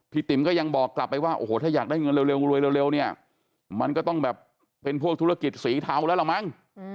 ติ๋มก็ยังบอกกลับไปว่าโอ้โหถ้าอยากได้เงินเร็วรวยเร็วเนี่ยมันก็ต้องแบบเป็นพวกธุรกิจสีเทาแล้วล่ะมั้ง